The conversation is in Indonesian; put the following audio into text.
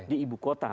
di ibu kota